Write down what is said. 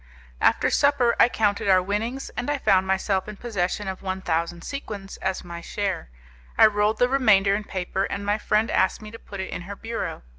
After supper I counted our winnings, and I found myself in possession of one thousand sequins as my share. I rolled the remainder in paper, and my friend asked me to put it in her bureau.